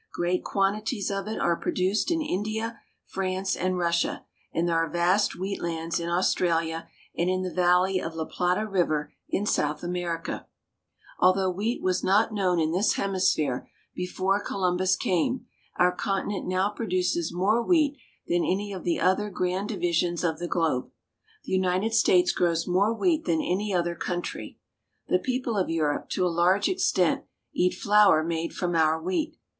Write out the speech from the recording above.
Great quan tities of it are produced in India, France, and Russia, and there are vast wheat lands in AustraHa and in the valley of La Plata River in South America. Although wheat was not known in this hemisphere The Wheat Region. A WHEAT FARM. 165 before Columbus came, our continent now produces more wheat than any of the other grand divisions of the globe. The United States grows more wheat than any other coun try. The people of Europe, to a large extent, eat flour made from our wheat.